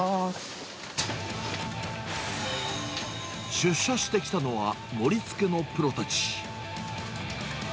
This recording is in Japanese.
出社してきたのは、盛りつけのプロたち。